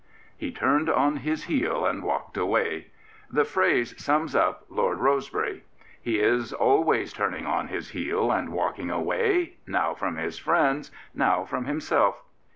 " He turned on his heel and walked away.*' The phrase sums up Lord Rosebery. He is always turn ing on his heel and walking away — ^now from his friends, now from himself.